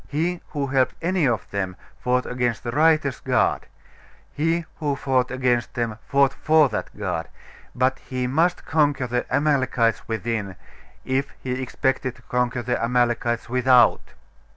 He who helped any of them fought against the righteous God: he who fought against them fought for that God; but he must conquer the Amalekites within, if he expected to conquer the Amalekites without.